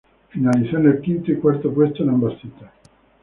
Finalizó en el quinto y cuarto puesto en ambas citas.